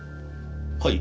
はい。